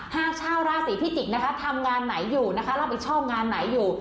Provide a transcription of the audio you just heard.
หากชาวราศีพิจิกษ์นะคะทำงานไหนอยู่นะคะรับผิดชอบงานไหนอยู่